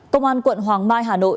công an quận hoàng mai hà nội